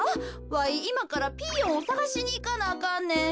わいいまからピーヨンをさがしにいかなあかんねん。